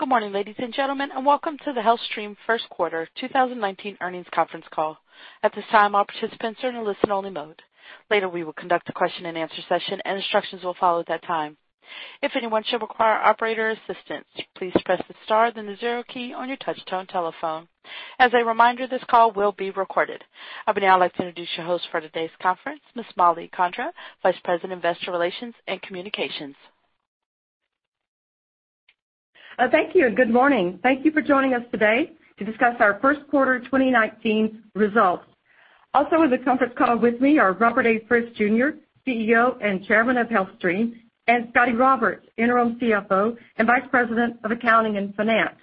Good morning, ladies and gentlemen, and welcome to the HealthStream first quarter 2019 earnings conference call. At this time, all participants are in a listen-only mode. Later, we will conduct a question and answer session, and instructions will follow at that time. If anyone should require operator assistance, please press the star, then the zero key on your touch-tone telephone. As a reminder, this call will be recorded. I would now like to introduce your host for today's conference, Ms. Mollie Condra, Vice President, Investor Relations and Communications. Thank you. Good morning. Thank you for joining us today to discuss our first quarter 2019 results. Also on the conference call with me are Robert A. Frist, Jr., CEO and Chairman of HealthStream, and Scotty A. Roberts, Interim CFO and Vice President of Accounting and Finance.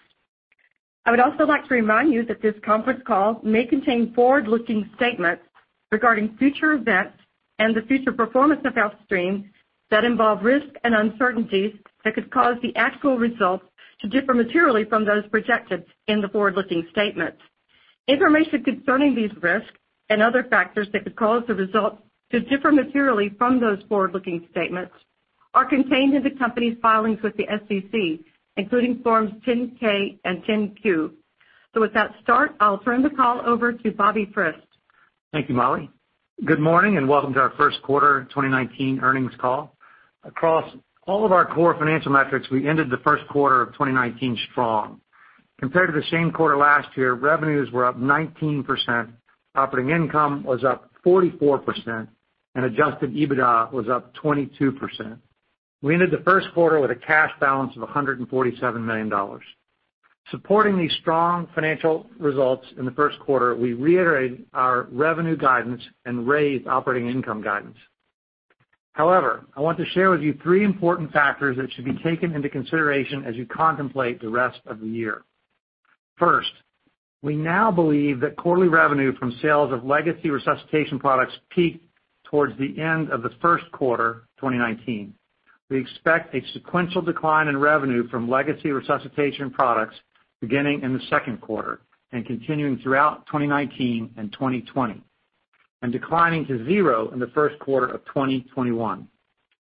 I would also like to remind you that this conference call may contain forward-looking statements regarding future events and the future performance of HealthStream that involve risks and uncertainties that could cause the actual results to differ materially from those projected in the forward-looking statements. Information concerning these risks and other factors that could cause the result to differ materially from those forward-looking statements are contained in the company's filings with the SEC, including Forms 10-K and 10-Q. With that start, I'll turn the call over to Bobby Frist. Thank you, Mollie. Good morning. Welcome to our first quarter 2019 earnings call. Across all of our core financial metrics, we ended the first quarter of 2019 strong. Compared to the same quarter last year, revenues were up 19%, operating income was up 44%, and adjusted EBITDA was up 22%. We ended the first quarter with a cash balance of $147 million. Supporting these strong financial results in the first quarter, we reiterated our revenue guidance and raised operating income guidance. However, I want to share with you three important factors that should be taken into consideration as you contemplate the rest of the year. First, we now believe that quarterly revenue from sales of legacy resuscitation products peaked towards the end of the first quarter 2019. We expect a sequential decline in revenue from legacy resuscitation products beginning in the second quarter and continuing throughout 2019 and 2020, and declining to 0 in the first quarter of 2021.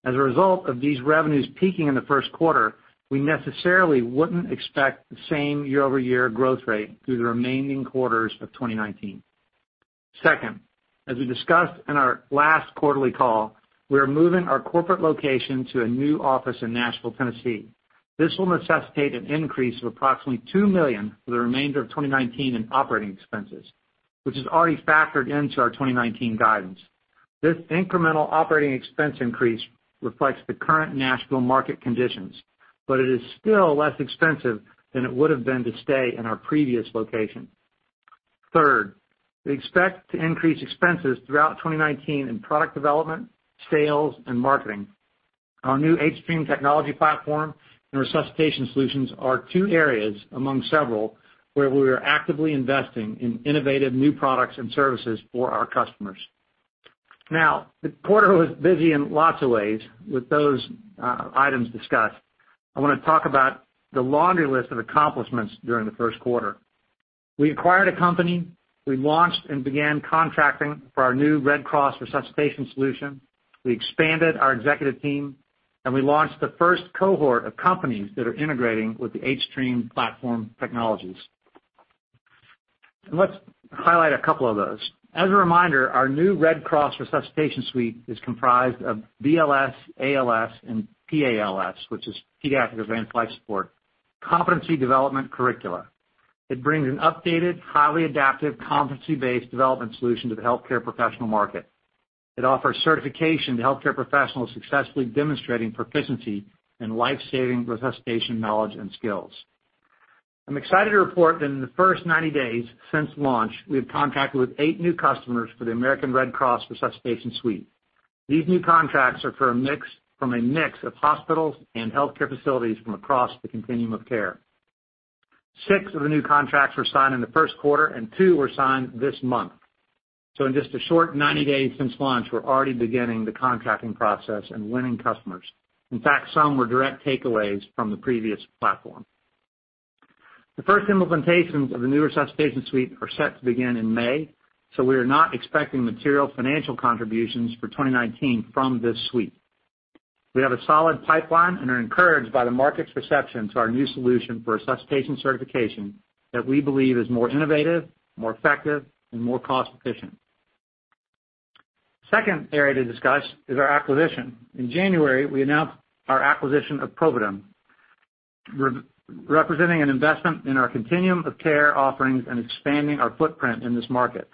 As a result of these revenues peaking in the first quarter, we necessarily wouldn't expect the same year-over-year growth rate through the remaining quarters of 2019. Second, as we discussed in our last quarterly call, we are moving our corporate location to a new office in Nashville, Tennessee. This will necessitate an increase of approximately $2 million for the remainder of 2019 in operating expenses, which is already factored into our 2019 guidance. This incremental operating expense increase reflects the current Nashville market conditions, but it is still less expensive than it would've been to stay in our previous location. Third, we expect to increase expenses throughout 2019 in product development, sales, and marketing. Our new hStream technology platform and resuscitation solutions are two areas among several where we are actively investing in innovative new products and services for our customers. The quarter was busy in lots of ways. With those items discussed, I want to talk about the laundry list of accomplishments during the first quarter. We acquired a company, we launched and began contracting for our new Red Cross Resuscitation solution, we expanded our executive team, and we launched the first cohort of companies that are integrating with the hStream platform technologies. Let's highlight a couple of those. As a reminder, our new Red Cross Resuscitation Suite is comprised of BLS, ALS, and PALS, which is Pediatric Advanced Life Support, competency development curricula. It brings an updated, highly adaptive, competency-based development solution to the healthcare professional market. It offers certification to healthcare professionals successfully demonstrating proficiency in life-saving resuscitation knowledge and skills. I'm excited to report that in the first 90 days since launch, we have contracted with eight new customers for the American Red Cross Resuscitation Suite. These new contracts are from a mix of hospitals and healthcare facilities from across the continuum of care. Six of the new contracts were signed in the first quarter, and two were signed this month. In just a short 90 days since launch, we're already beginning the contracting process and winning customers. In fact, some were direct takeaways from the previous platform. The first implementations of the new Resuscitation Suite are set to begin in May, so we are not expecting material financial contributions for 2019 from this suite. We have a solid pipeline and are encouraged by the market's reception to our new solution for resuscitation certification that we believe is more innovative, more effective, and more cost-efficient. Second area to discuss is our acquisition. In January, we announced our acquisition of Providigm, representing an investment in our continuum of care offerings and expanding our footprint in this market.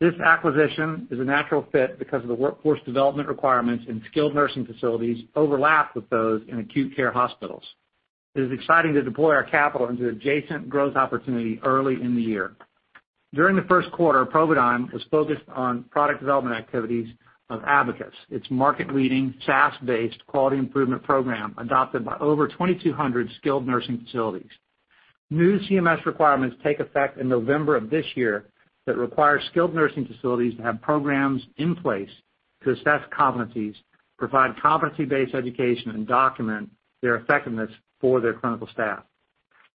This acquisition is a natural fit because of the workforce development requirements in skilled nursing facilities overlap with those in acute care hospitals. It is exciting to deploy our capital into adjacent growth opportunity early in the year. During the first quarter, Providigm was focused on product development activities of abaqis, its market-leading, SaaS-based quality improvement program adopted by over 2,200 skilled nursing facilities. New CMS requirements take effect in November of this year that require skilled nursing facilities to have programs in place to assess competencies, provide competency-based education, and document their effectiveness for their clinical staff.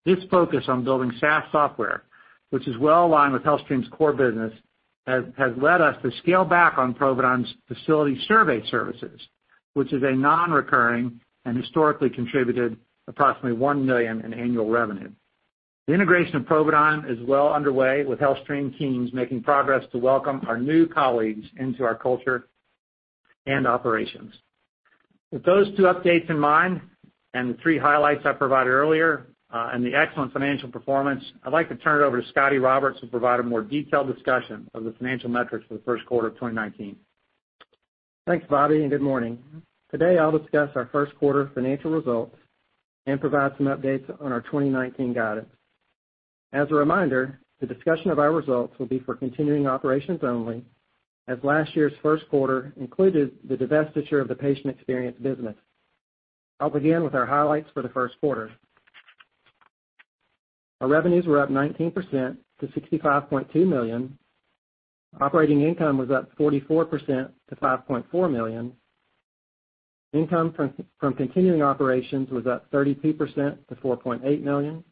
This focus on building SaaS software, which is well-aligned with HealthStream's core business, has led us to scale back on Providigm's facility survey services, which is a nonrecurring and historically contributed approximately $1 million in annual revenue. The integration of Providigm is well underway, with HealthStream teams making progress to welcome our new colleagues into our culture and operations. With those two updates in mind and the three highlights I provided earlier, and the excellent financial performance, I'd like to turn it over to Scotty Roberts, who will provide a more detailed discussion of the financial metrics for the first quarter of 2019. Thanks, Bobby, and good morning. Today, I'll discuss our first quarter financial results and provide some updates on our 2019 guidance. As a reminder, the discussion of our results will be for continuing operations only, as last year's first quarter included the divestiture of the patient experience business. I'll begin with our highlights for the first quarter. Our revenues were up 19% to $65.2 million. Operating income was up 44% to $5.4 million. Income from continuing operations was up 33% to $4.8 million.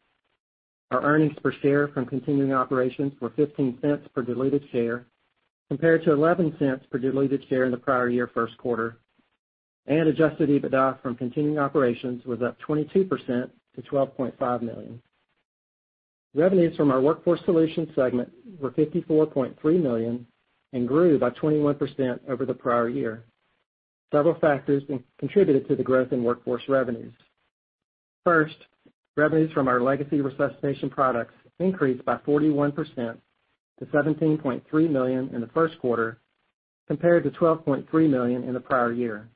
Our earnings per share from continuing operations were $0.15 per diluted share compared to $0.11 per diluted share in the prior year first quarter, and adjusted EBITDA from continuing operations was up 22% to $12.5 million. Revenues from our Workforce Solutions segment were $54.3 million and grew by 21% over the prior year. Several factors contributed to the growth in workforce revenues. First, revenues from our legacy resuscitation products increased by 41% to $17.3 million in the first quarter, compared to $12.3 million in the prior year.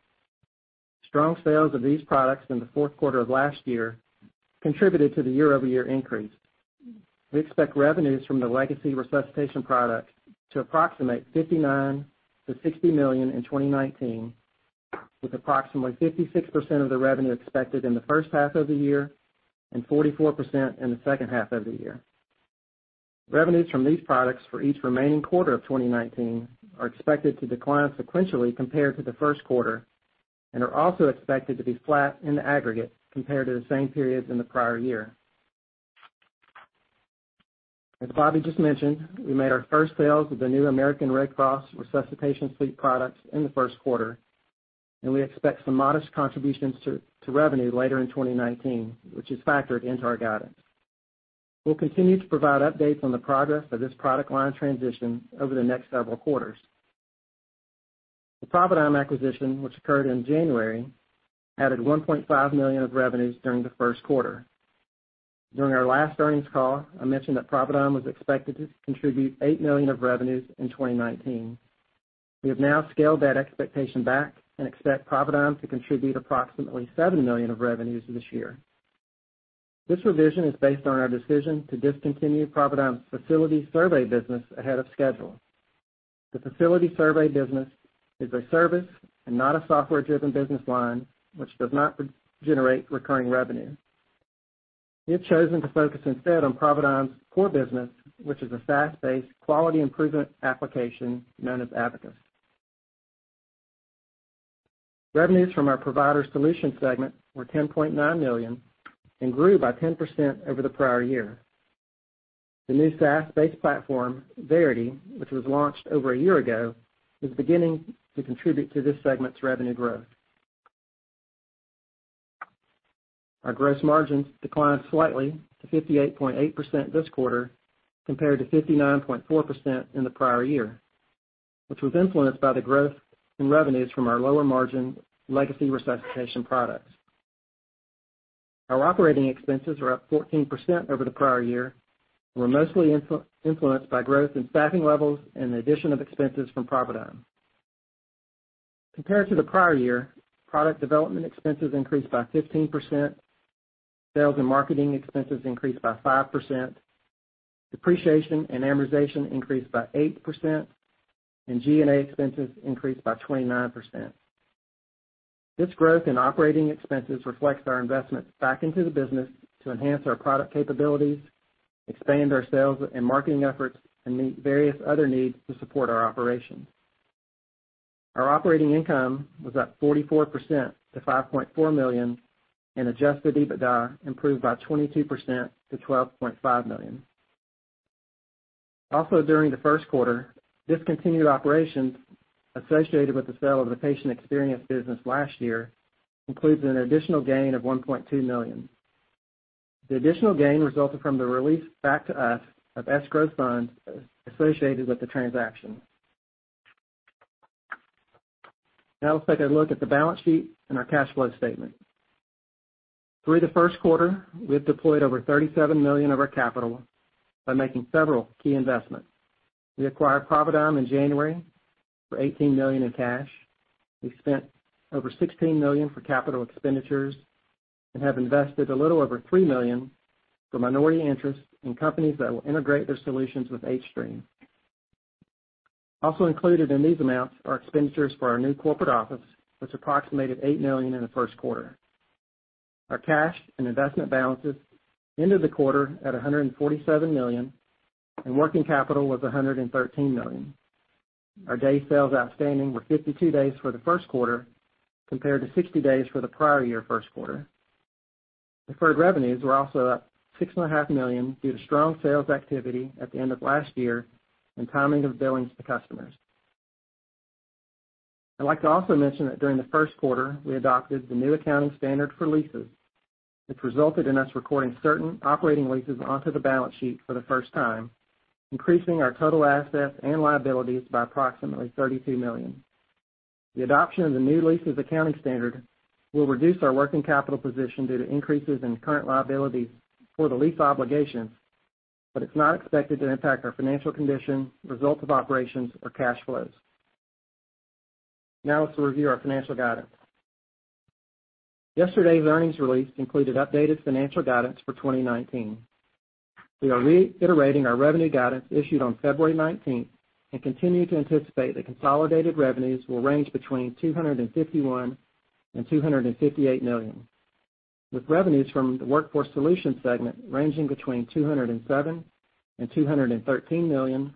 Strong sales of these products in the fourth quarter of last year contributed to the year-over-year increase. We expect revenues from the legacy resuscitation products to approximate $59 million-$60 million in 2019, with approximately 56% of the revenue expected in the first half of the year and 44% in the second half of the year. Revenues from these products for each remaining quarter of 2019 are expected to decline sequentially compared to the first quarter and are also expected to be flat in the aggregate compared to the same periods in the prior year. As Bobby just mentioned, we made our first sales of the new American Red Cross Resuscitation Suite products in the first quarter, and we expect some modest contributions to revenue later in 2019, which is factored into our guidance. We'll continue to provide updates on the progress of this product line transition over the next several quarters. The Providigm acquisition, which occurred in January, added $1.5 million of revenues during the first quarter. During our last earnings call, I mentioned that Providigm was expected to contribute $8 million of revenues in 2019. We have now scaled that expectation back and expect Providigm to contribute approximately $7 million of revenues this year. This revision is based on our decision to discontinue Providigm's facility survey business ahead of schedule. The facility survey business is a service and not a software-driven business line, which does not generate recurring revenue. We have chosen to focus instead on Providigm's core business, which is a SaaS-based quality improvement application known as abaqis. Revenues from our Provider Solutions segment were $10.9 million and grew by 10% over the prior year. The new SaaS-based platform, Verity, which was launched over a year ago, is beginning to contribute to this segment's revenue growth. Our gross margins declined slightly to 58.8% this quarter compared to 59.4% in the prior year, which was influenced by the growth in revenues from our lower-margin legacy resuscitation products. Our operating expenses were up 14% over the prior year and were mostly influenced by growth in staffing levels and the addition of expenses from Providigm. Compared to the prior year, product development expenses increased by 15%, sales and marketing expenses increased by 5%, depreciation and amortization increased by 8%, and G&A expenses increased by 29%. This growth in operating expenses reflects our investment back into the business to enhance our product capabilities, expand our sales and marketing efforts, and meet various other needs to support our operations. Our operating income was up 44% to $5.4 million, and adjusted EBITDA improved by 22% to $12.5 million. During the first quarter, discontinued operations associated with the sale of the patient experience business last year included an additional gain of $1.2 million. The additional gain resulted from the release back to us of escrow funds associated with the transaction. Let's take a look at the balance sheet and our cash flow statement. Through the first quarter, we have deployed over $37 million of our capital by making several key investments. We acquired Providigm in January for $18 million in cash. We've spent over $16 million for capital expenditures and have invested a little over $3 million for minority interests in companies that will integrate their solutions with hStream. Also included in these amounts are expenditures for our new corporate office, which approximated $8 million in the first quarter. Our cash and investment balances ended the quarter at $147 million, and working capital was $113 million. Our day sales outstanding were 52 days for the first quarter compared to 60 days for the prior year first quarter. Deferred revenues were also up $6.5 million due to strong sales activity at the end of last year and timing of billings to customers. I'd like to also mention that during the first quarter, we adopted the new accounting standard for leases, which resulted in us recording certain operating leases onto the balance sheet for the first time, increasing our total assets and liabilities by approximately $32 million. The adoption of the new leases accounting standard will reduce our working capital position due to increases in current liabilities for the lease obligation, but it's not expected to impact our financial condition, results of operations or cash flows. To review our financial guidance. Yesterday's earnings release included updated financial guidance for 2019. We are reiterating our revenue guidance issued on February 19th, and continue to anticipate that consolidated revenues will range between $251 million-$258 million, with revenues from the Workforce Solutions segment ranging between $207 million-$213 million,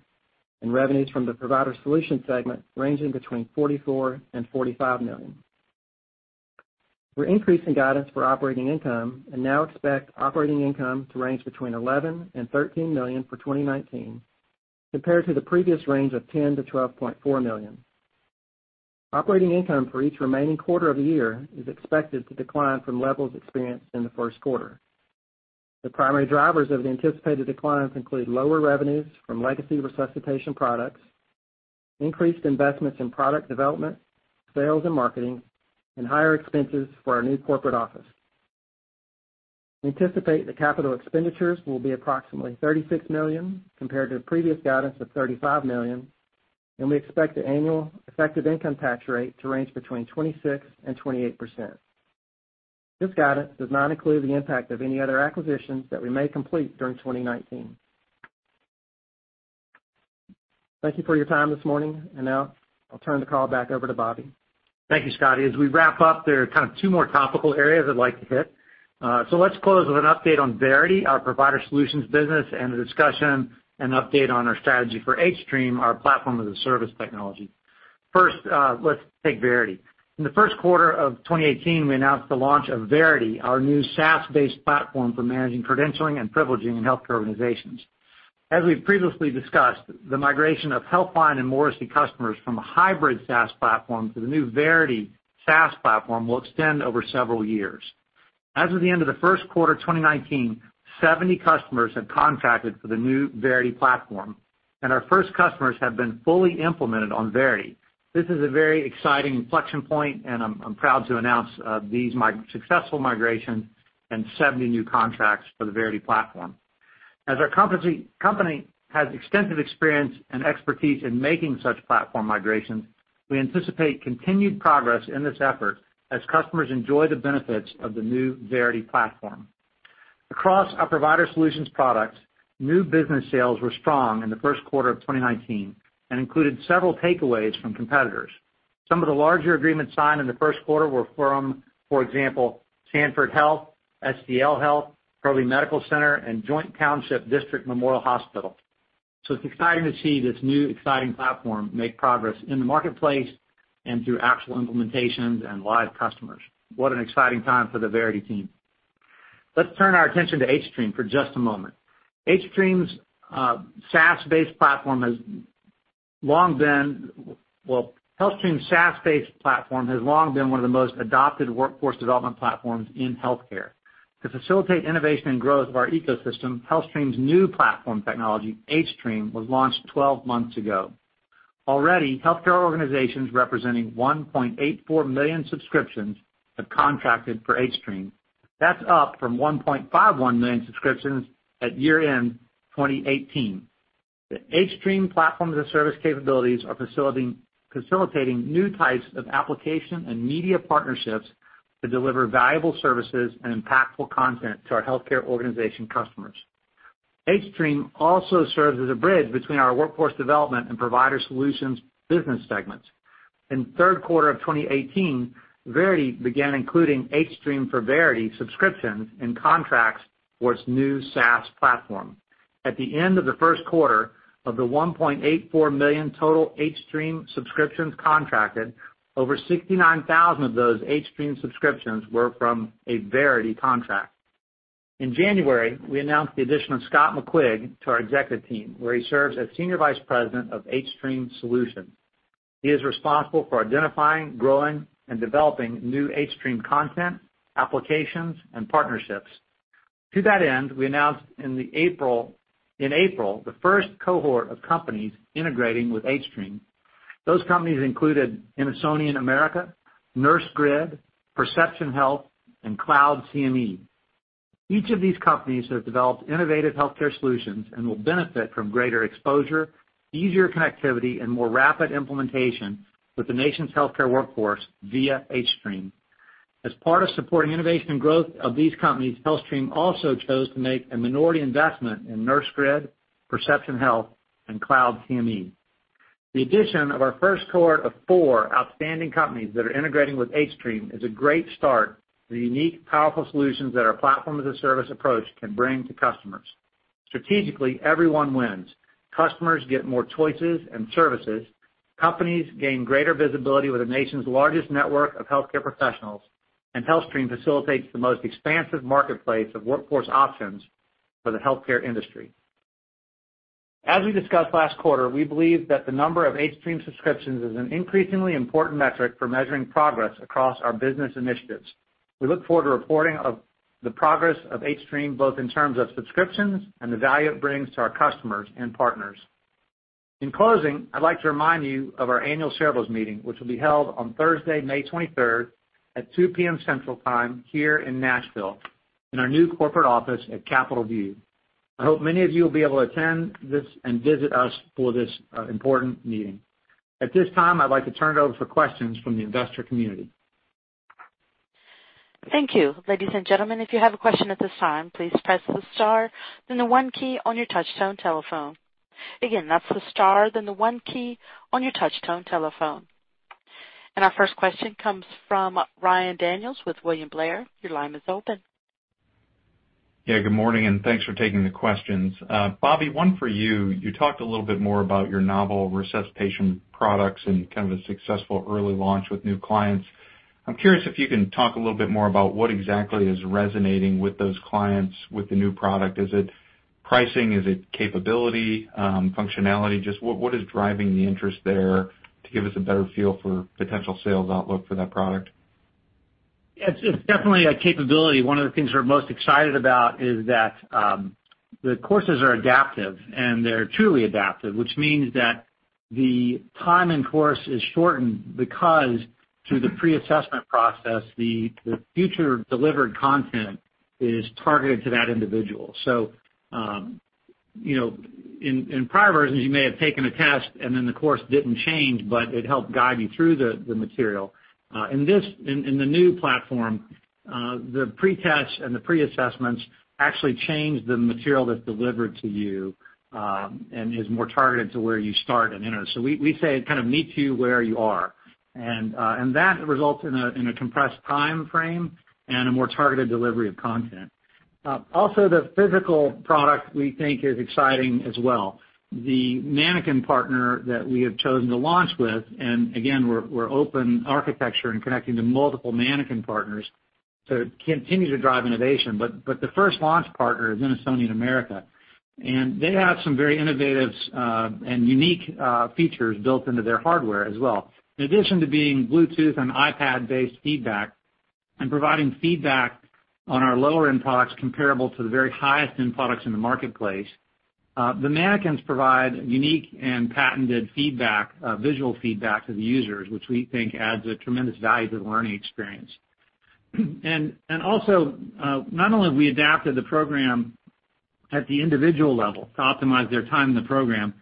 and revenues from the Provider Solutions segment ranging between $44 million-$45 million. We're increasing guidance for operating income and now expect operating income to range between $11 million-$13 million for 2019, compared to the previous range of $10 million-$12.4 million. Operating income for each remaining quarter of the year is expected to decline from levels experienced in the first quarter. The primary drivers of the anticipated declines include lower revenues from legacy resuscitation products, increased investments in product development, sales and marketing, and higher expenses for our new corporate office. We anticipate that capital expenditures will be approximately $36 million, compared to the previous guidance of $35 million, and we expect the annual effective income tax rate to range between 26%-28%. This guidance does not include the impact of any other acquisitions that we may complete during 2019. Thank you for your time this morning, now I'll turn the call back over to Bobby. Thank you, Scotty. As we wrap up, there are two more topical areas I'd like to hit. Let's close with an update on Verity, our Provider Solutions business, and a discussion and update on our strategy for hStream, our platform-as-a-service technology. First, let's take Verity. In the first quarter of 2018, we announced the launch of Verity, our new SaaS-based platform for managing credentialing and privileging in healthcare organizations. As we've previously discussed, the migration of HealthLine and Morrisey customers from a hybrid SaaS platform to the new Verity SaaS platform will extend over several years. As of the end of the first quarter 2019, 70 customers have contracted for the new Verity platform, and our first customers have been fully implemented on Verity. This is a very exciting inflection point, and I'm proud to announce these successful migrations and 70 new contracts for the Verity platform. As our company has extensive experience and expertise in making such platform migrations, we anticipate continued progress in this effort as customers enjoy the benefits of the new Verity platform. Across our Provider Solutions products, new business sales were strong in the first quarter of 2019 and included several takeaways from competitors. Some of the larger agreements signed in the first quarter were from, for example, Sanford Health, SDL Health, Crowley Medical Center, and Joint Township District Memorial Hospital. It's exciting to see this new exciting platform make progress in the marketplace and through actual implementations and live customers. What an exciting time for the Verity team. Let's turn our attention to hStream for just a moment. HealthStream's SaaS-based platform has long been one of the most adopted workforce development platforms in healthcare. To facilitate innovation and growth of our ecosystem, HealthStream's new platform technology, hStream, was launched 12 months ago. Already, healthcare organizations representing 1.84 million subscriptions have contracted for hStream. That's up from 1.51 million subscriptions at year-end 2018. The hStream platform-as-a-service capabilities are facilitating new types of application and media partnerships to deliver valuable services and impactful content to our healthcare organization customers. hStream also serves as a bridge between our Workforce Solutions and Provider Solutions business segments. In the third quarter of 2018, Verity began including hStream for Verity subscriptions in contracts for its new SaaS platform. At the end of the first quarter of the 1.84 million total hStream subscriptions contracted, over 69,000 of those hStream subscriptions were from a Verity contract. In January, we announced the addition of Scott McQuigg to our executive team, where he serves as Senior Vice President of hStream Solutions. He is responsible for identifying, growing, and developing new hStream content, applications, and partnerships. To that end, we announced in April, the first cohort of companies integrating with hStream. Those companies included Innosonian America, NurseGrid, Perception Health, and CloudCME. Each of these companies have developed innovative healthcare solutions and will benefit from greater exposure, easier connectivity, and more rapid implementation with the nation's healthcare workforce via hStream. As part of supporting innovation and growth of these companies, HealthStream also chose to make a minority investment in NurseGrid, Perception Health, and CloudCME. The addition of our first cohort of four outstanding companies that are integrating with hStream is a great start for the unique, powerful solutions that our platform-as-a-service approach can bring to customers. Strategically, everyone wins. Customers get more choices and services. Companies gain greater visibility with the nation's largest network of healthcare professionals. HealthStream facilitates the most expansive marketplace of workforce options for the healthcare industry. As we discussed last quarter, we believe that the number of hStream subscriptions is an increasingly important metric for measuring progress across our business initiatives. We look forward to reporting of the progress of hStream, both in terms of subscriptions and the value it brings to our customers and partners. In closing, I'd like to remind you of our annual shareholders meeting, which will be held on Thursday, May 23rd at 2:00 P.M. Central time here in Nashville in our new corporate office at Capital View. I hope many of you will be able to attend this and visit us for this important meeting. At this time, I'd like to turn it over for questions from the investor community. Thank you. Ladies and gentlemen, if you have a question at this time, please press the star, then the one key on your touch tone telephone. Again, that's the star, then the one key on your touch tone telephone. Our first question comes from Ryan Daniels with William Blair. Your line is open. Good morning, and thanks for taking the questions. Bobby, one for you. You talked a little bit more about your novel resuscitation products and kind of a successful early launch with new clients. I'm curious if you can talk a little bit more about what exactly is resonating with those clients with the new product. Is it pricing? Is it capability, functionality? Just what is driving the interest there to give us a better feel for potential sales outlook for that product? It's definitely a capability. One of the things we're most excited about is that, the courses are adaptive, and they're truly adaptive, which means that the time in course is shortened because through the pre-assessment process, the future delivered content is targeted to that individual. In prior versions, you may have taken a test and then the course didn't change, but it helped guide you through the material. In the new platform, the pretest and the pre-assessments actually change the material that's delivered to you, and is more targeted to where you start and enter. We say it kind of meets you where you are and that results in a compressed timeframe and a more targeted delivery of content. The physical product we think is exciting as well. The mannequin partner that we have chosen to launch with, and again, we're open architecture and connecting to multiple mannequin partners to continue to drive innovation. But the first launch partner is Innosonian America, and they have some very innovative, and unique features built into their hardware as well. In addition to being Bluetooth and iPad-based feedback and providing feedback on our lower-end products comparable to the very highest-end products in the marketplace, the mannequins provide unique and patented feedback, visual feedback to the users, which we think adds a tremendous value to the learning experience. Also, not only have we adapted the program at the individual level to optimize their time in the program,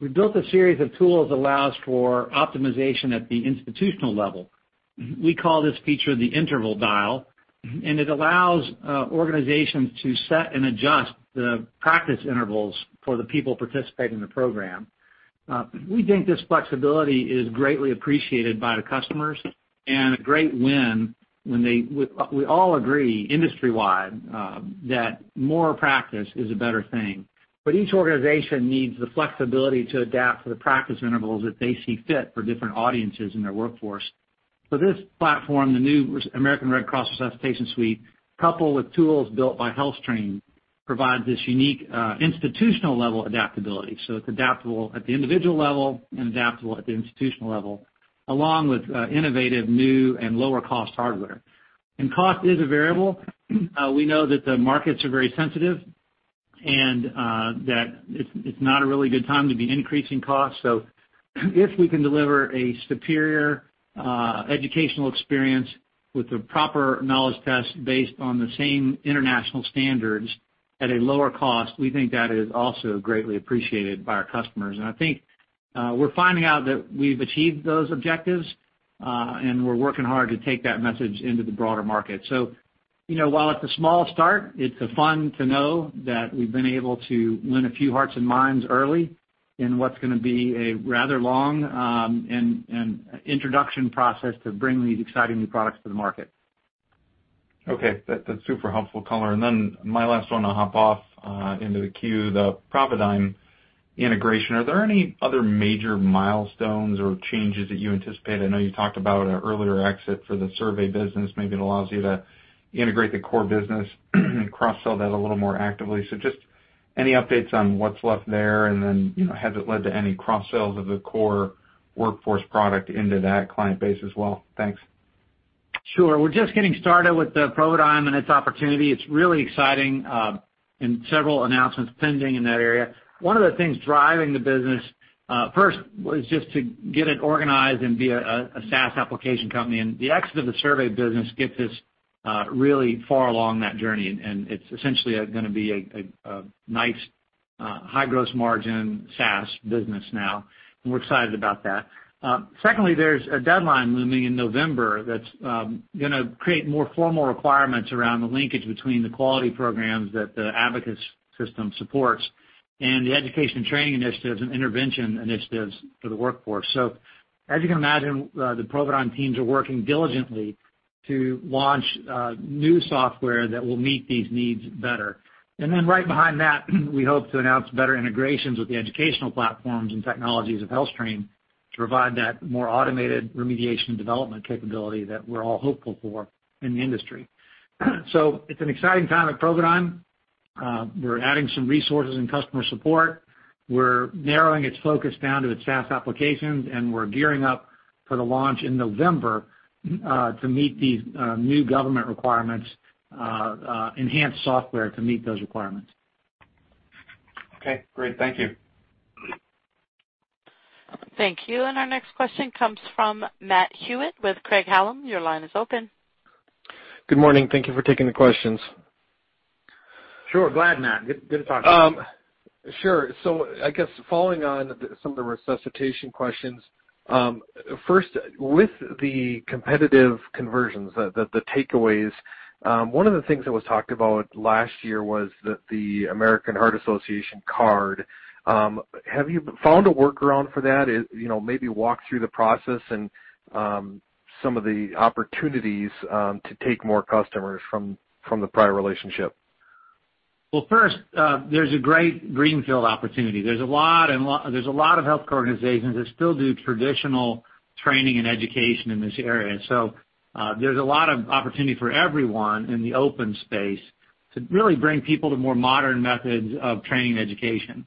we built a series of tools allows for optimization at the institutional level. We call this feature the interval dial, and it allows organizations to set and adjust the practice intervals for the people participating in the program. We think this flexibility is greatly appreciated by the customers and a great win when they We all agree industry-wide, that more practice is a better thing, each organization needs the flexibility to adapt for the practice intervals that they see fit for different audiences in their workforce. This platform, the new American Red Cross Resuscitation Suite, coupled with tools built by HealthStream, provides this unique, institutional-level adaptability. It's adaptable at the individual level and adaptable at the institutional level, along with innovative, new and lower-cost hardware. Cost is a variable. We know that the markets are very sensitive and that it's not a really good time to be increasing costs. If we can deliver a superior educational experience with the proper knowledge test based on the same international standards at a lower cost, we think that is also greatly appreciated by our customers. I think we're finding out that we've achieved those objectives, and we're working hard to take that message into the broader market. While it's a small start, it's fun to know that we've been able to win a few hearts and minds early in what's going to be a rather long introduction process to bring these exciting new products to the market. Okay. That's super helpful color. My last one, I'll hop off into the queue, the Providigm integration. Are there any other major milestones or changes that you anticipate? I know you talked about an earlier exit for the survey business. Maybe it allows you to integrate the core business and cross-sell that a little more actively. Just any updates on what's left there, and then, has it led to any cross-sales of the core workforce product into that client base as well? Thanks. Sure. We're just getting started with Providigm and its opportunity. It's really exciting, and several announcements pending in that area. One of the things driving the business, first, was just to get it organized and be a SaaS application company. The exit of the survey business gets us really far along that journey, and it's essentially going to be a nice, high gross margin SaaS business now, and we're excited about that. Secondly, there's a deadline looming in November that's going to create more formal requirements around the linkage between the quality programs that the abaqis system supports. The education training initiatives and intervention initiatives for the workforce. As you can imagine, the Providigm teams are working diligently to launch new software that will meet these needs better. Right behind that, we hope to announce better integrations with the educational platforms and technologies of HealthStream to provide that more automated remediation development capability that we're all hopeful for in the industry. It's an exciting time at Providigm. We're adding some resources in customer support. We're narrowing its focus down to its SaaS applications, and we're gearing up for the launch in November, to meet these new government requirements, enhanced software to meet those requirements. Okay, great. Thank you. Thank you. Our next question comes from Matt Hewitt with Craig-Hallum. Your line is open. Good morning. Thank you for taking the questions. Sure. Glad, Matt. Good to talk to you. Sure. I guess following on some of the resuscitation questions, first, with the competitive conversions, the takeaways, one of the things that was talked about last year was that the American Heart Association card, have you found a workaround for that? Maybe walk through the process and some of the opportunities to take more customers from the prior relationship. Well, first, there's a great greenfield opportunity. There's a lot of healthcare organizations that still do traditional training and education in this area. There's a lot of opportunity for everyone in the open space to really bring people to more modern methods of training and education.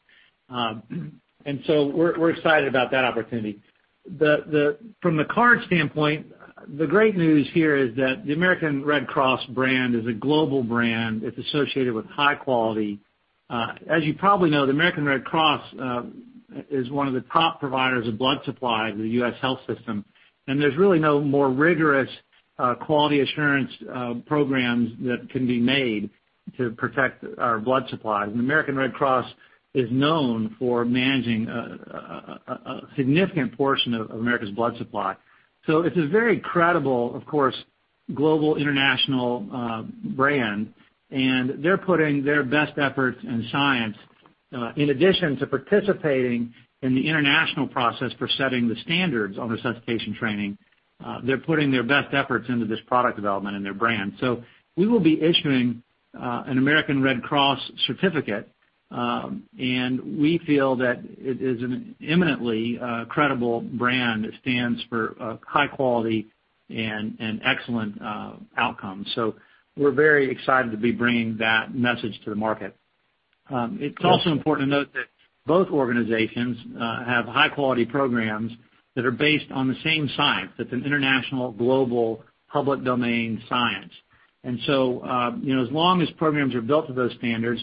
We're excited about that opportunity. From the card standpoint, the great news here is that the American Red Cross brand is a global brand. It's associated with high quality. As you probably know, the American Red Cross is one of the top providers of blood supply to the U.S. health system, and there's really no more rigorous quality assurance programs that can be made to protect our blood supply. The American Red Cross is known for managing a significant portion of America's blood supply. It's a very credible, of course, global international brand, and they're putting their best efforts in science, in addition to participating in the international process for setting the standards on resuscitation training. They're putting their best efforts into this product development and their brand. We will be issuing an American Red Cross certificate, and we feel that it is an imminently credible brand that stands for high quality and excellent outcomes. We're very excited to be bringing that message to the market. It's also important to note that both organizations have high-quality programs that are based on the same science. It's an international, global, public domain science. As long as programs are built to those standards,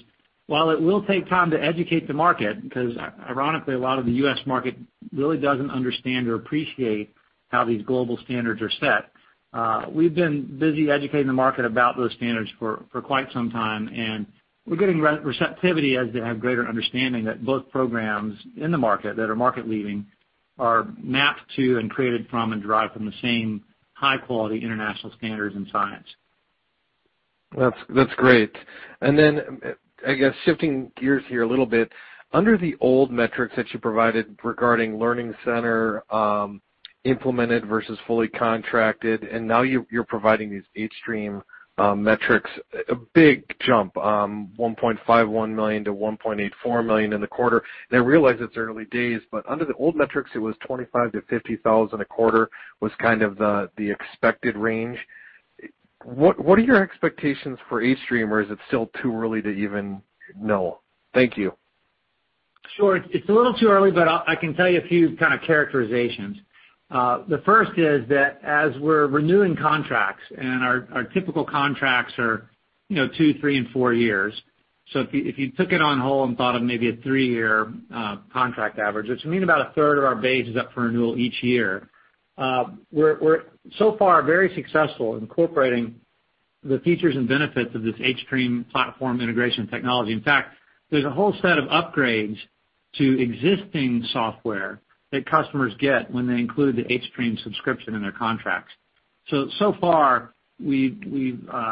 while it will take time to educate the market, because ironically, a lot of the U.S. market really doesn't understand or appreciate how these global standards are set. We've been busy educating the market about those standards for quite some time, and we're getting receptivity as they have greater understanding that both programs in the market that are market leading are mapped to and created from and derived from the same high-quality international standards and science. That's great. I guess shifting gears here a little bit, under the old metrics that you provided regarding HealthStream Learning Center, implemented versus fully contracted, now you're providing these hStream metrics, a big jump, 1.51 million to 1.84 million in the quarter. I realize it's early days, but under the old metrics, it was 25,000 to 50,000 a quarter was kind of the expected range. What are your expectations for hStream, or is it still too early to even know? Thank you. Sure. It's a little too early, but I can tell you a few kind of characterizations. The first is that as we're renewing contracts, and our typical contracts are two, three, and four years. If you took it on whole and thought of maybe a three-year contract average, which would mean about a third of our base is up for renewal each year. We're so far very successful incorporating the features and benefits of this hStream platform integration technology. In fact, there's a whole set of upgrades to existing software that customers get when they include the hStream subscription in their contracts. So far we've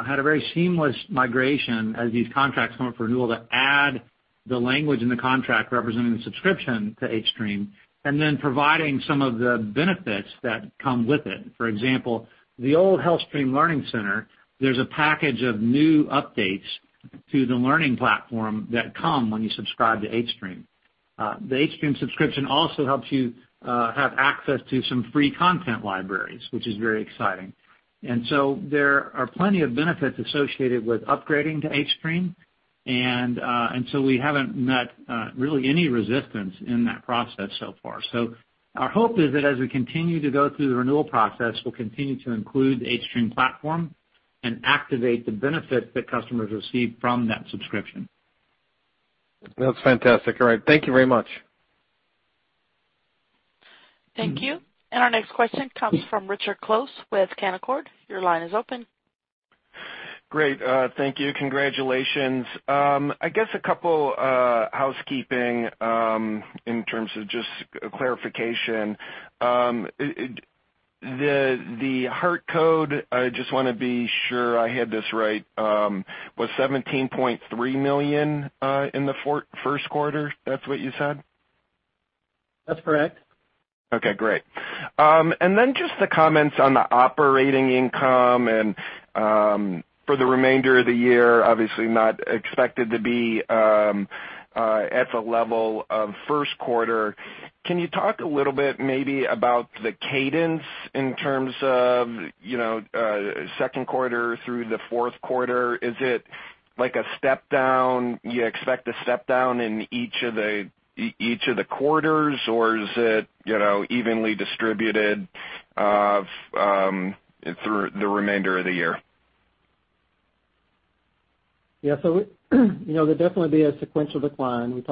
had a very seamless migration as these contracts come up for renewal to add the language in the contract representing the subscription to hStream, and then providing some of the benefits that come with it. For example, the old HealthStream Learning Center, there's a package of new updates to the learning platform that come when you subscribe to hStream. The hStream subscription also helps you have access to some free content libraries, which is very exciting. There are plenty of benefits associated with upgrading to hStream. We haven't met really any resistance in that process so far. Our hope is that as we continue to go through the renewal process, we'll continue to include the hStream platform and activate the benefits that customers receive from that subscription. That's fantastic. All right. Thank you very much. Thank you. Our next question comes from Richard Close with Canaccord. Your line is open. Great, thank you. Congratulations. I guess a couple housekeeping in terms of just clarification. The HeartCode, I just want to be sure I have this right, was $17.3 million in the first quarter. That's what you said? That's correct. Okay, great. Just the comments on the operating income and for the remainder of the year, obviously not expected to be at the level of first quarter. Can you talk a little bit maybe about the cadence in terms of second quarter through the fourth quarter? Is it like a step down, you expect a step down in each of the quarters, or is it evenly distributed through the remainder of the year? Yeah. There'll definitely be a sequential decline.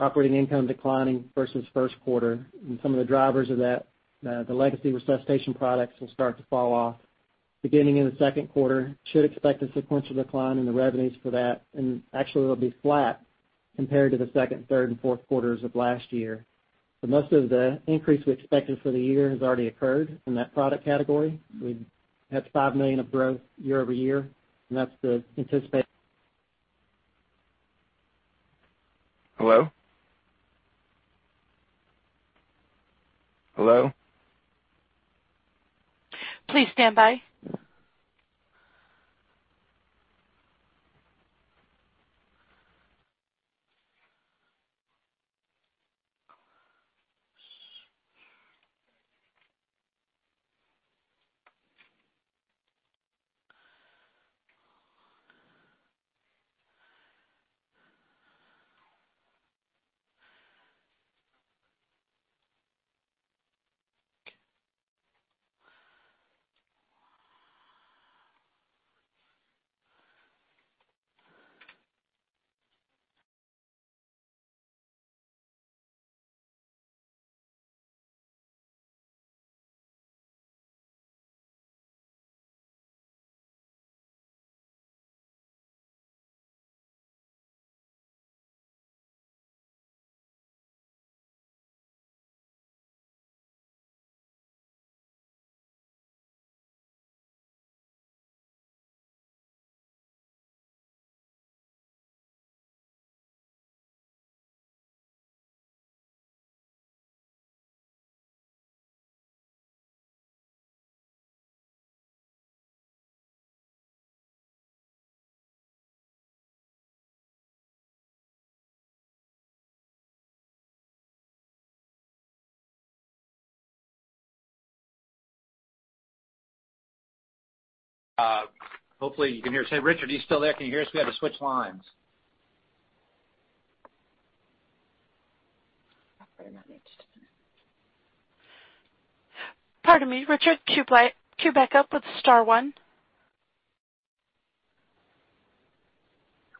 Operating income declining versus first quarter. Some of the drivers of that, the legacy resuscitation products will start to fall off. Beginning in the second quarter, should expect a sequential decline in the revenues for that. Actually they'll be flat compared to the second, third, and fourth quarters of last year. Most of the increase we expected for the year has already occurred in that product category. We have $5 million of growth year-over-year. Hello? Hello? Please standby. Hopefully you can hear us. Hey, Richard, are you still there? Can you hear us? We had to switch lines. Pardon me, Richard, queue back up with star one.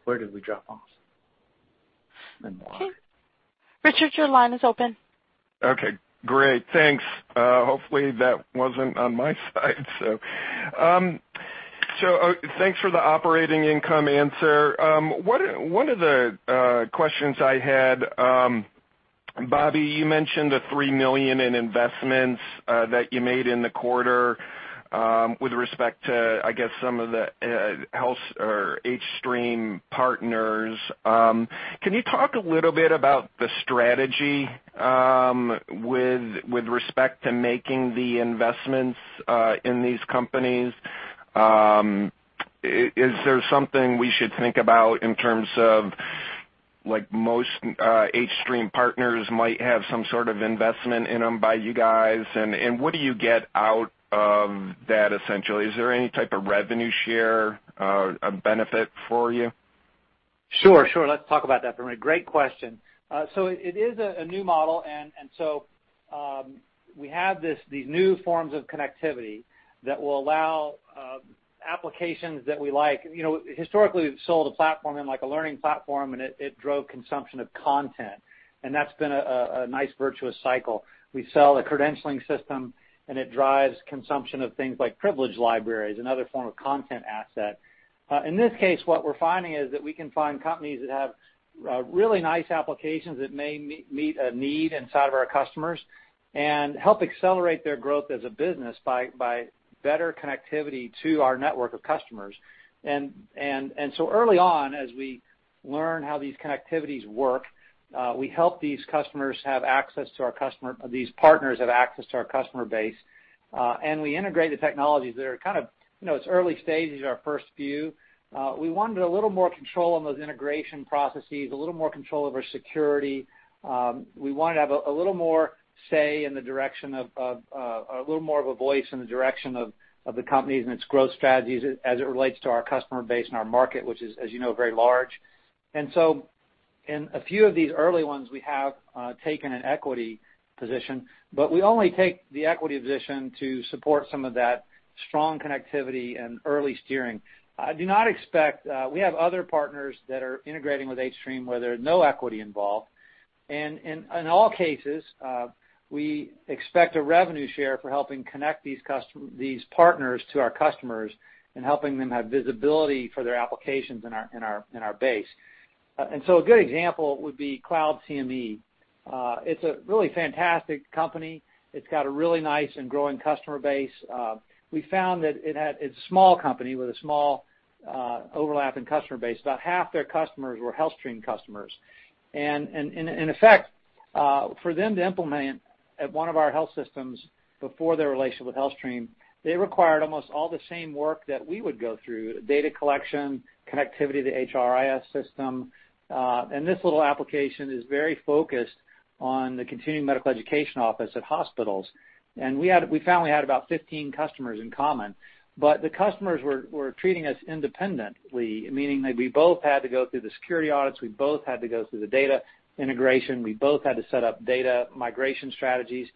Where did we drop off? Richard, your line is open. Okay, great. Thanks. Hopefully, that wasn't on my side. Thanks for the operating income answer. One of the questions I had, Bobby, you mentioned the $3 million in investments that you made in the quarter, with respect to, I guess, some of the hStream partners. Can you talk a little bit about the strategy with respect to making the investments in these companies? Is there something we should think about in terms of most hStream partners might have some sort of investment in them by you guys? What do you get out of that, essentially? Is there any type of revenue share, a benefit for you? Sure. Let's talk about that for a minute. Great question. It is a new model, we have these new forms of connectivity that will allow applications that we like. Historically, we've sold a platform in like a learning platform, it drove consumption of content. That's been a nice virtuous cycle. We sell a credentialing system, it drives consumption of things like privileged libraries and other form of content asset. In this case, what we're finding is that we can find companies that have really nice applications that may meet a need inside of our customers and help accelerate their growth as a business by better connectivity to our network of customers. Early on, as we learn how these connectivities work, we help these partners have access to our customer base. We integrate the technologies that are kind of, it's early stages, our first few. We wanted a little more control on those integration processes, a little more control over security. We wanted to have a little more of a voice in the direction of the company and its growth strategies as it relates to our customer base and our market, which is, as you know, very large. In a few of these early ones, we have taken an equity position, but we only take the equity position to support some of that strong connectivity and early steering. We have other partners that are integrating with hStream where there's no equity involved. In all cases, we expect a revenue share for helping connect these partners to our customers and helping them have visibility for their applications in our base. A good example would be CloudCME. It's a really fantastic company. It's got a really nice and growing customer base. We found that it's a small company with a small overlap in customer base. About half their customers were HealthStream customers. In effect, for them to implement at one of our health systems before their relationship with HealthStream, they required almost all the same work that we would go through, data collection, connectivity to the HRIS system. This little application is very focused on the continuing medical education office at hospitals. We found we had about 15 customers in common, but the customers were treating us independently, meaning that we both had to go through the security audits, we both had to go through the data integration, we both had to set up data migration strategies.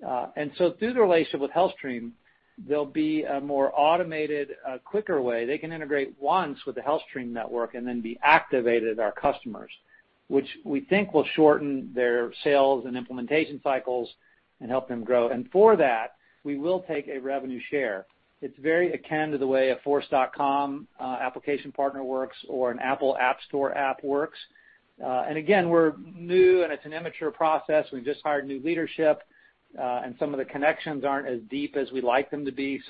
Through the relationship with HealthStream, there'll be a more automated, quicker way. They can integrate once with the HealthStream network and then be activated at our customers, which we think will shorten their sales and implementation cycles and help them grow. For that, we will take a revenue share. It's very akin to the way a Force.com application partner works or an Apple App Store app works. Again, we're new, and it's an immature process. We've just hired new leadership, and some of the connections aren't as deep as we'd like them to be.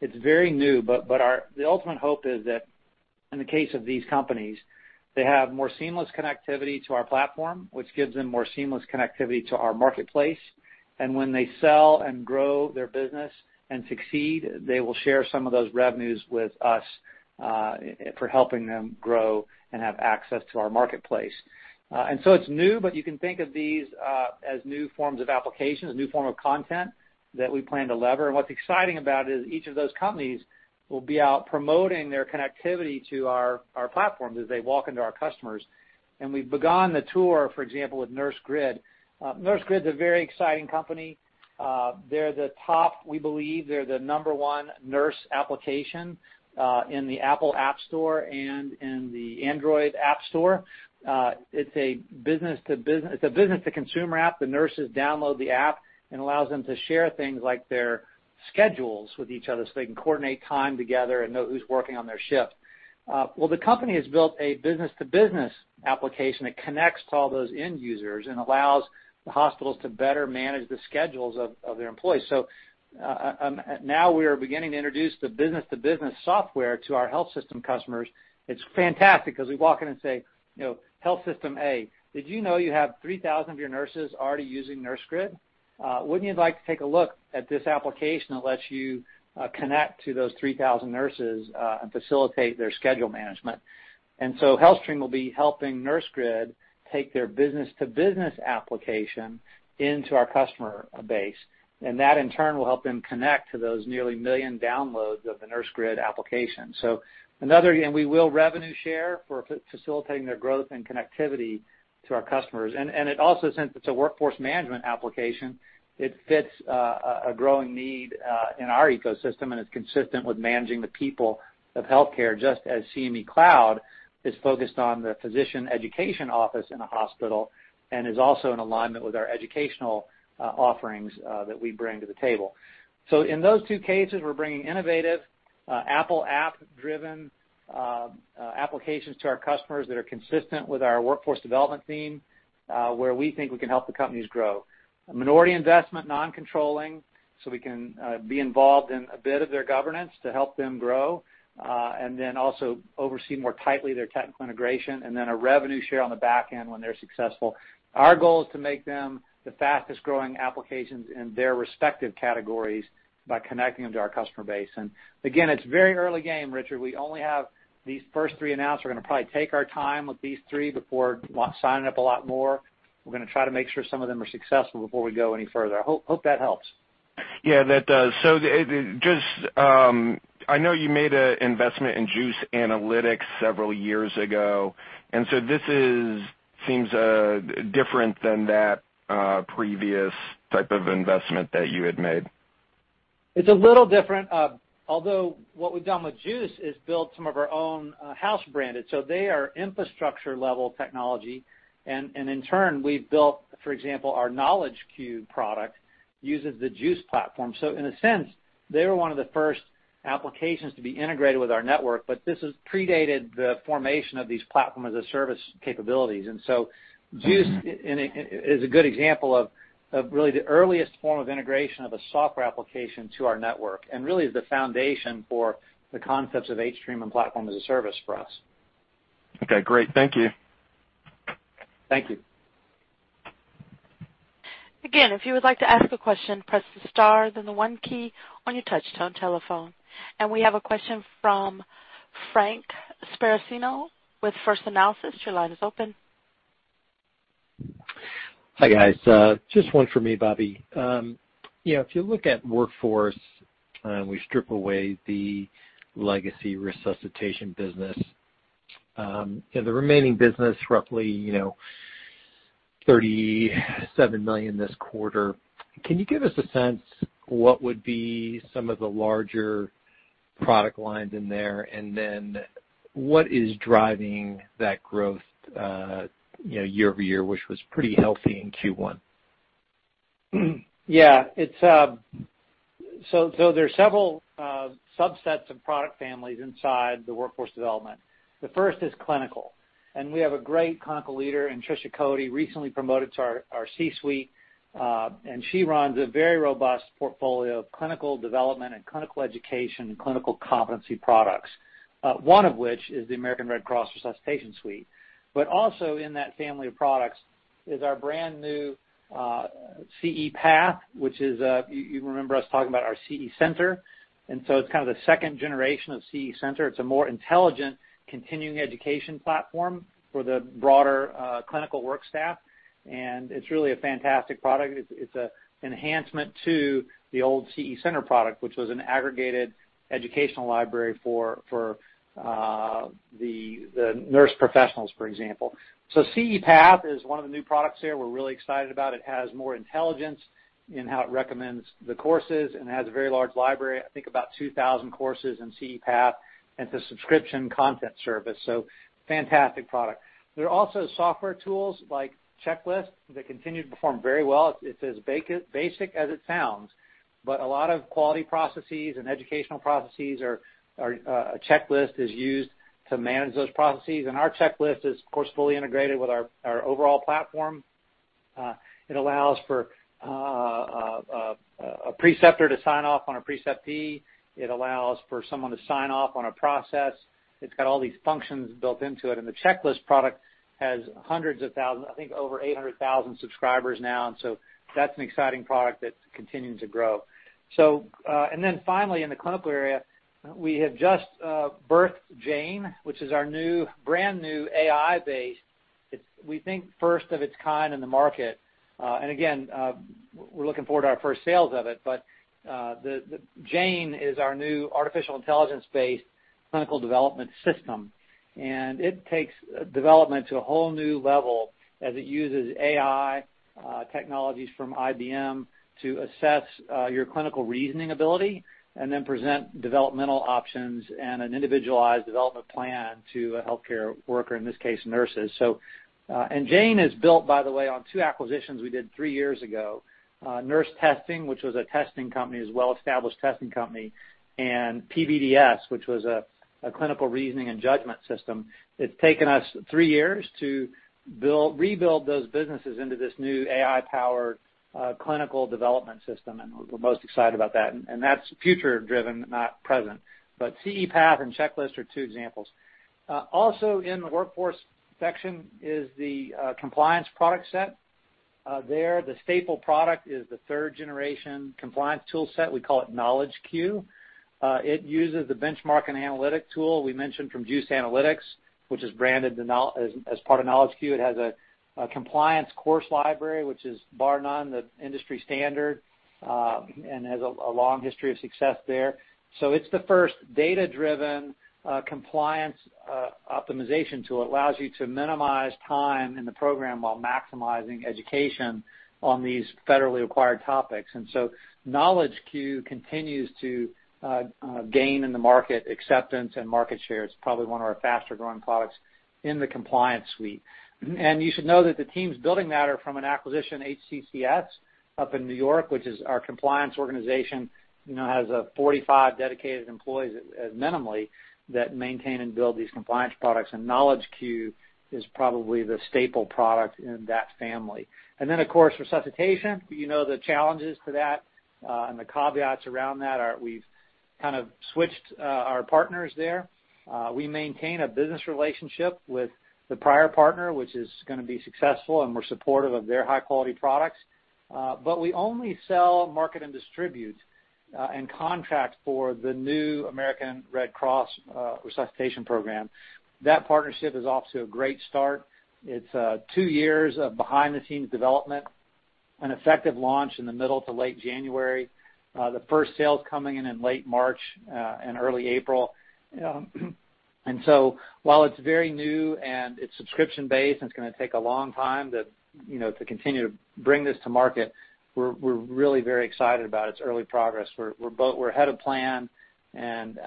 It's very new, but the ultimate hope is that in the case of these companies, they have more seamless connectivity to our platform, which gives them more seamless connectivity to our marketplace. When they sell and grow their business and succeed, they will share some of those revenues with us for helping them grow and have access to our marketplace. It's new, but you can think of these as new forms of applications, a new form of content that we plan to lever. What's exciting about it is each of those companies will be out promoting their connectivity to our platforms as they walk into our customers. We've begun the tour, for example, with NurseGrid. NurseGrid's a very exciting company. They're the top, we believe, they're the number one nurse application in the Apple App Store and in the Android App Store. It's a business-to-consumer app. The nurses download the app, and it allows them to share things like their schedules with each other so they can coordinate time together and know who's working on their shift. The company has built a business-to-business application that connects to all those end users and allows the hospitals to better manage the schedules of their employees. Now we are beginning to introduce the business-to-business software to our health system customers. It's fantastic because we walk in and say, "Health system A, did you know you have 3,000 of your nurses already using NurseGrid? Wouldn't you like to take a look at this application that lets you connect to those 3,000 nurses and facilitate their schedule management?" HealthStream will be helping NurseGrid take their business-to-business application into our customer base, and that in turn will help them connect to those nearly million downloads of the NurseGrid application. We will revenue share for facilitating their growth and connectivity to our customers. It also, since it's a workforce management application, it fits a growing need in our ecosystem and is consistent with managing the people of healthcare, just as CloudCME is focused on the physician education office in a hospital and is also in alignment with our educational offerings that we bring to the table. In those two cases, we're bringing innovative, Apple app-driven applications to our customers that are consistent with our workforce development theme, where we think we can help the companies grow. A minority investment, non-controlling, so we can be involved in a bit of their governance to help them grow, and then also oversee more tightly their technical integration, and then a revenue share on the back end when they're successful. Our goal is to make them the fastest-growing applications in their respective categories by connecting them to our customer base. Again, it's very early game, Richard. We only have these first three announced. We're going to probably take our time with these three before signing up a lot more. We're going to try to make sure some of them are successful before we go any further. I hope that helps. Yeah, that does. I know you made an investment in Juice Analytics several years ago, and so this seems different than that previous type of investment that you had made. It's a little different. What we've done with Juice is built some of our own house branded. They are infrastructure-level technology. In turn, we've built, for example, our KnowledgeQ product uses the Juice platform. In a sense, they were one of the first applications to be integrated with our network, but this has predated the formation of these platform as a service capabilities. Juice is a good example of really the earliest form of integration of a software application to our network and really is the foundation for the concepts of hStream and platform as a service for us. Okay, great. Thank you. Thank you. Again, if you would like to ask a question, press the star, then the one key on your touch-tone telephone. We have a question from Frank Sparacino with First Analysis. Your line is open. Hi, guys. Just one for me, Bobby. If you look at Workforce Solutions, and we strip away the legacy resuscitation business, the remaining business roughly $37 million this quarter. Can you give us a sense what would be some of the larger product lines in there, and then what is driving that growth year-over-year, which was pretty healthy in Q1? There are several subsets of product families inside the workforce development. The first is clinical, and we have a great clinical leader in Trisha Coady, recently promoted to our C-suite. She runs a very robust portfolio of clinical development and clinical education and clinical competency products. One of which is the American Red Cross Resuscitation Suite. Also in that family of products is our brand new CE Path, which is, you remember us talking about our CE Center. It's kind of the second generation of CE Center. It's a more intelligent continuing education platform for the broader clinical work staff, and it's really a fantastic product. It's an enhancement to the old CE Center product, which was an aggregated educational library for the nurse professionals, for example. CE Path is one of the new products there we're really excited about. It has more intelligence in how it recommends the courses and has a very large library, I think about 2,000 courses in CE Path. It's a subscription content service, fantastic product. There are also software tools like Checklist that continue to perform very well. It's as basic as it sounds, but a lot of quality processes and educational processes are A Checklist is used to manage those processes, and our Checklist is, of course, fully integrated with our overall platform. It allows for a preceptor to sign off on a preceptee. It allows for someone to sign off on a process. It's got all these functions built into it. The Checklist product has hundreds of thousands, I think over 800,000 subscribers now, that's an exciting product that's continuing to grow. Finally, in the clinical area, we have just birthed Jane, which is our brand-new AI-based, we think first of its kind in the market. Again, we're looking forward to our first sales of it. Jane is our new artificial intelligence-based clinical development system, and it takes development to a whole new level as it uses AI technologies from IBM to assess your clinical reasoning ability and then present developmental options and an individualized development plan to a healthcare worker, in this case, nurses. Jane is built, by the way, on two acquisitions we did three years ago. Nurse Testing, which was a testing company as well, established testing company, and PBDS, which was a clinical reasoning and judgment system. It's taken us three years to rebuild those businesses into this new AI-powered clinical development system, and we're most excited about that. That's future-driven, not present. CE Path and Checklist are two examples. Also in the Workforce Solutions section is the compliance product set. There, the staple product is the third-generation compliance tool set. We call it KnowledgeQ. It uses the benchmarking analytic tool we mentioned from Juice Analytics, which is branded as part of KnowledgeQ. It has a compliance course library, which is bar none the industry standard, and has a long history of success there. It's the first data-driven compliance optimization tool. It allows you to minimize time in the program while maximizing education on these federally required topics. KnowledgeQ continues to gain in the market acceptance and market share. It's probably one of our faster-growing products in the compliance suite. You should know that the teams building that are from an acquisition, HCCS, up in New York, which is our compliance organization. It has 45 dedicated employees minimally that maintain and build these compliance products, and KnowledgeQ is probably the staple product in that family. Of course, resuscitation. You know the challenges to that and the caveats around that are we've kind of switched our partners there. We maintain a business relationship with the prior partner, which is going to be successful, and we're supportive of their high-quality products. We only sell, market, and distribute, and contract for the new American Red Cross resuscitation program. That partnership is off to a great start. It's two years behind the scenes development, an effective launch in the middle to late January. The first sale's coming in in late March and early April. While it's very new and it's subscription-based, and it's going to take a long time to continue to bring this to market, we're really very excited about its early progress. We're ahead of plan and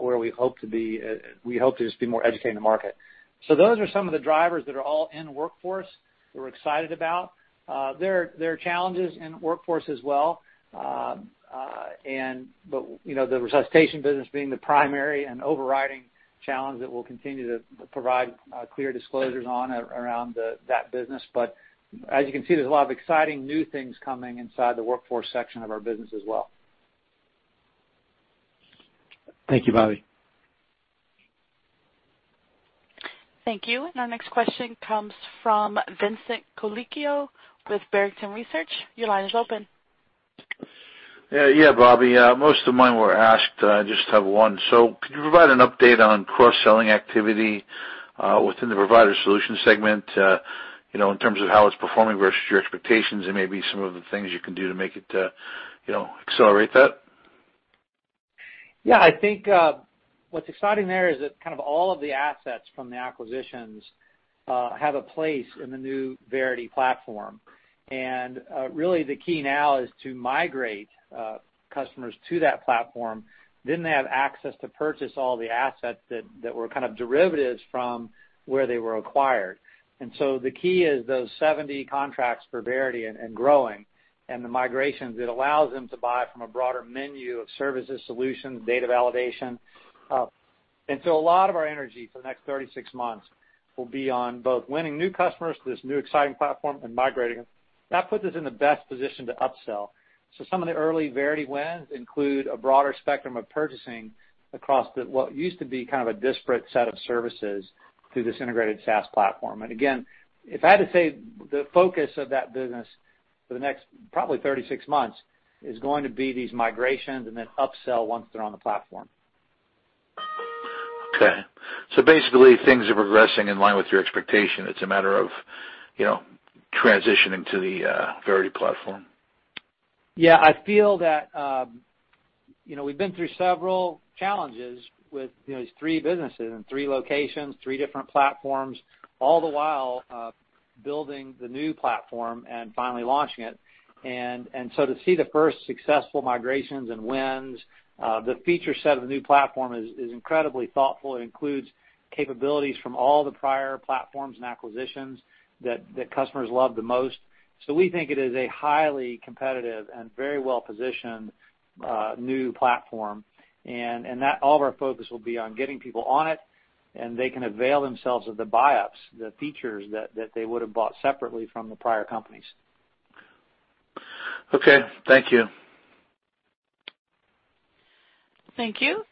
where we hope to be. We hope to just be more educated in the market. Those are some of the drivers that are all in Workforce Solutions that we're excited about. There are challenges in Workforce Solutions as well. The resuscitation business being the primary and overriding challenge that we'll continue to provide clear disclosures on around that business. As you can see, there's a lot of exciting new things coming inside the Workforce Solutions section of our business as well. Thank you, Bobby. Thank you. Our next question comes from Vincent Colicchio with Barrington Research. Your line is open. Yeah, Bobby, most of mine were asked. I just have one. Could you provide an update on cross-selling activity within the Provider Solutions segment, in terms of how it's performing versus your expectations and maybe some of the things you can do to make it accelerate that? Yeah, I think what's exciting there is that kind of all of the assets from the acquisitions have a place in the new Verity platform. Really the key now is to migrate customers to that platform, then they have access to purchase all the assets that were kind of derivatives from where they were acquired. The key is those 70 contracts for Verity and growing, and the migrations, it allows them to buy from a broader menu of services, solutions, data validation. A lot of our energy for the next 36 months will be on both winning new customers to this new exciting platform and migrating them. That puts us in the best position to upsell. Some of the early Verity wins include a broader spectrum of purchasing across what used to be kind of a disparate set of services through this integrated SaaS platform. Again, if I had to say the focus of that business for the next probably 36 months is going to be these migrations and then upsell once they're on the platform. Okay. Basically, things are progressing in line with your expectation. It's a matter of transitioning to the Verity platform. Yeah. I feel that we've been through several challenges with these three businesses in three locations, three different platforms, all the while building the new platform and finally launching it. To see the first successful migrations and wins, the feature set of the new platform is incredibly thoughtful. It includes capabilities from all the prior platforms and acquisitions that customers love the most. We think it is a highly competitive and very well-positioned new platform. That all of our focus will be on getting people on it, and they can avail themselves of the buyups, the features that they would have bought separately from the prior companies. Okay, thank you. Thank you.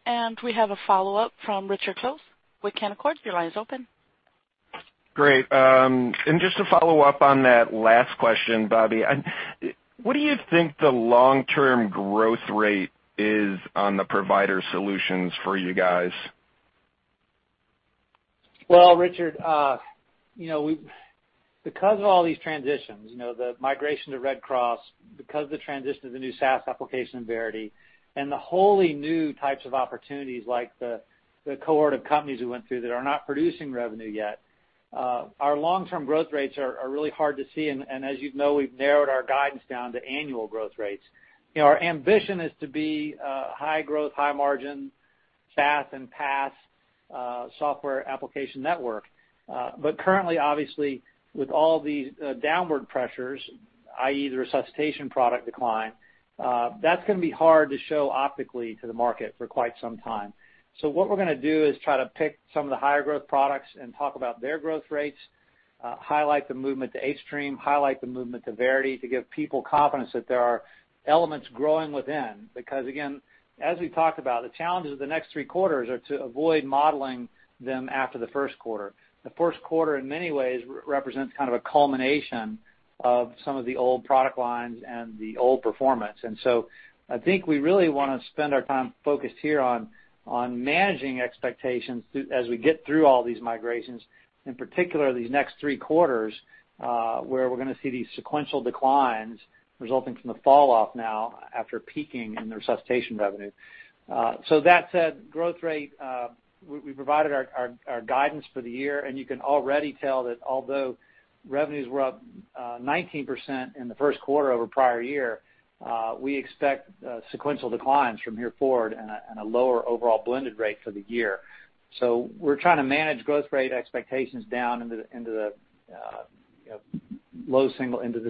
We have a follow-up from Richard Close with Canaccord. Your line is open. Great. Just to follow up on that last question, Bobby, what do you think the long-term growth rate is on the Provider Solutions for you guys? Well, Richard, because of all these transitions, the migration to Red Cross, because of the transition to the new SaaS application in Verity, and the wholly new types of opportunities like the cohort of companies we went through that are not producing revenue yet, our long-term growth rates are really hard to see, and as you know, we've narrowed our guidance down to annual growth rates. Our ambition is to be a high-growth, high-margin, SaaS and PaaS software application network. Currently, obviously, with all of these downward pressures, i.e., the resuscitation product decline, that's going to be hard to show optically to the market for quite some time. What we're going to do is try to pick some of the higher growth products and talk about their growth rates, highlight the movement to hStream, highlight the movement to Verity to give people confidence that there are elements growing within. Because again, as we talked about, the challenges of the next three quarters are to avoid modeling them after the first quarter. The first quarter in many ways represents kind of a culmination of some of the old product lines and the old performance. I think we really want to spend our time focused here on managing expectations as we get through all these migrations, and particularly these next three quarters, where we're going to see these sequential declines resulting from the falloff now after peaking in the resuscitation revenue. That said, growth rate, we provided our guidance for the year. You can already tell that although revenues were up 19% in the first quarter over prior year, we expect sequential declines from here forward and a lower overall blended rate for the year. We're trying to manage growth rate expectations down into the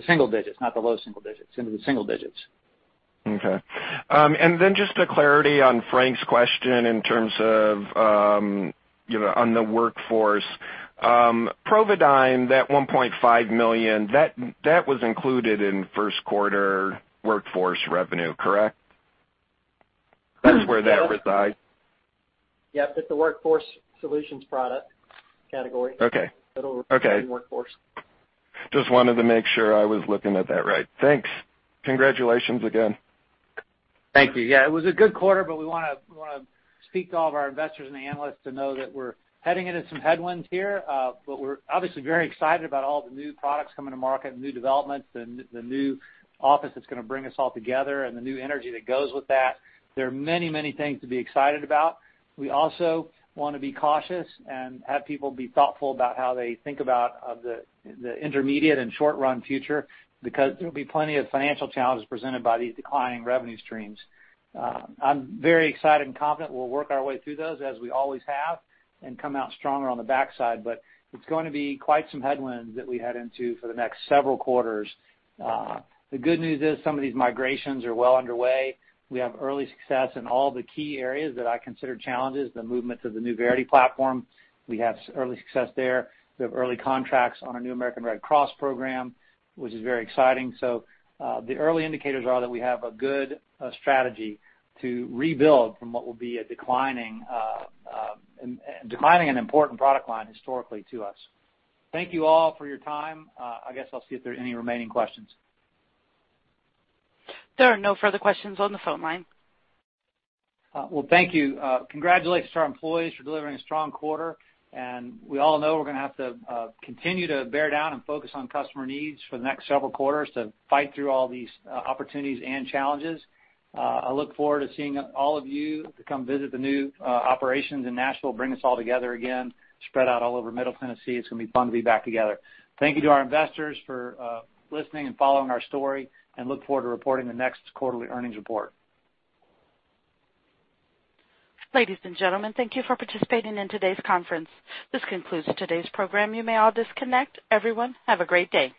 single digits, not the low single digits, into the single digits. Okay. Then just a clarity on Frank's question in terms of on the workforce. Providigm, that $1.5 million, that was included in first quarter Workforce revenue, correct? Yes. That's where that resides? Yep. It's a Workforce Solutions product category. Okay. It'll work in Workforce. Just wanted to make sure I was looking at that right. Thanks. Congratulations again. Thank you. Yeah, it was a good quarter. We want to speak to all of our investors and the analysts to know that we're heading into some headwinds here. We're obviously very excited about all the new products coming to market, new developments, the new office that's going to bring us all together, and the new energy that goes with that. There are many things to be excited about. We also want to be cautious and have people be thoughtful about how they think about the intermediate and short-run future because there'll be plenty of financial challenges presented by these declining revenue streams. I'm very excited and confident we'll work our way through those as we always have and come out stronger on the backside. It's going to be quite some headwinds that we head into for the next several quarters. The good news is some of these migrations are well underway. We have early success in all the key areas that I consider challenges, the movements of the new Verity platform. We have early success there. We have early contracts on our new American Red Cross program, which is very exciting. The early indicators are that we have a good strategy to rebuild from what will be a declining and important product line historically to us. Thank you all for your time. I guess I'll see if there are any remaining questions. There are no further questions on the phone line. Well, thank you. Congratulations to our employees for delivering a strong quarter. We all know we're going to have to continue to bear down and focus on customer needs for the next several quarters to fight through all these opportunities and challenges. I look forward to seeing all of you to come visit the new operations in Nashville, bring us all together again, spread out all over Middle Tennessee. It's going to be fun to be back together. Thank you to our investors for listening and following our story. Look forward to reporting the next quarterly earnings report. Ladies and gentlemen, thank you for participating in today's conference. This concludes today's program. You may all disconnect. Everyone, have a great day.